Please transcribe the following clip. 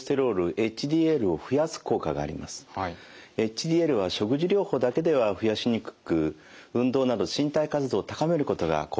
ＨＤＬは食事療法だけでは増やしにくく運動など身体活動を高めることが効果的です。